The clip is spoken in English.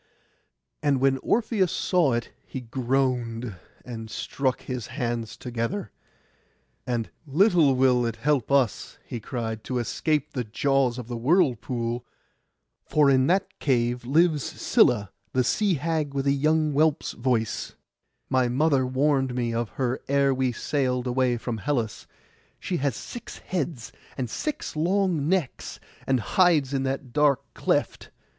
And when Orpheus saw it he groaned, and struck his hands together. And 'Little will it help us,' he cried, 'to escape the jaws of the whirlpool; for in that cave lives Scylla, the sea hag with a young whelp's voice; my mother warned me of her ere we sailed away from Hellas; she has six heads, and six long necks, and hides in that dark cleft.